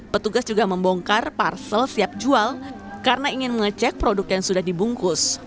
petugas juga membongkar parsel siap jual karena ingin mengecek produk yang sudah dibungkus